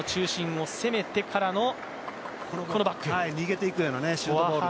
逃げていくようなシュートボール。